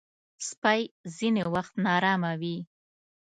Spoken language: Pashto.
سپي ځینې وخت ناراحته وي.